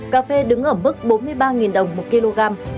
cà phê đứng ở mức bốn mươi ba đồng một kg